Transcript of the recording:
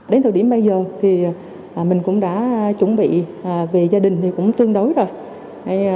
đến thời điểm bây giờ thì mình cũng đã chuẩn bị về gia đình thì cũng tương đối rồi